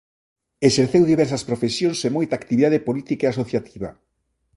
Exerceu diversas profesións e moita actividade política e asociativa.